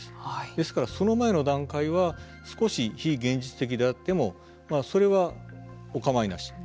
ですから、その前の段階は少し非現実的であってもそれは、お構いなし。